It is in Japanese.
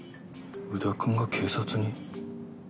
宇田くんが警察に？